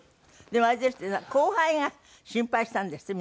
でもあれですってね後輩が心配したんですって？